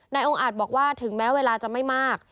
องค์อาจบอกว่าถึงแม้เวลาจะไม่มาก